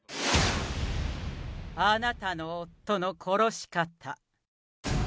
あなたの夫の殺し方。